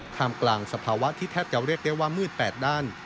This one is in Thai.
มกลางสภาวะที่แทบจะเรียกได้ว่ามืด๘ด้าน